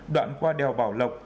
đoạn qua đèo bảo lộc